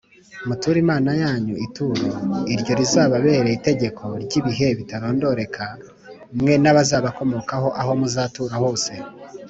Muture Imana yanyu ituro iryo rizababere itegeko ry’ibihe bitarondoreka mwe n’abazabakomokaho aho muzatura hose